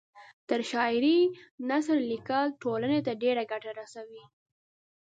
تر شاعرۍ نثر لیکل ټولنۍ ته ډېره ګټه رسوي